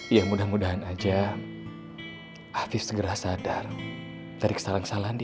ya mudah mudahan aja hafiz segera sadar dari kesalahan kesalahan dia